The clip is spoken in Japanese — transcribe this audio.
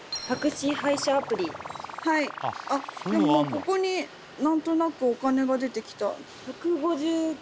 ここに何となくお金が出てきた。